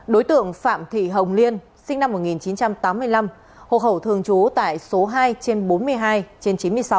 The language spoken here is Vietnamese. đối tượng phạm thị hồng liên sinh năm một nghìn chín trăm tám mươi năm hộ khẩu thường trú tại số hai trên bốn mươi hai trên chín mươi sáu